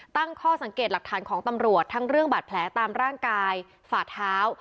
ตั้งข้อสังเกตหลักฐานของตำรวจทั้งเรื่องบาดแผลตามร่างกายฝ่าเท้า